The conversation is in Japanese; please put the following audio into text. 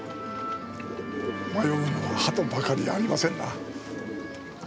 迷うのは鳩ばかりじゃありませんな。